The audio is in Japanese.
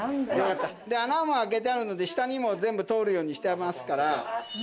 穴も開けてあるので下にも全部通るようにしてますから。